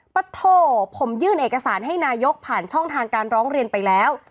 ปะโถผมยื่นเอกสารให้นายกผ่านช่องทางการร้องเรียนไปแล้ว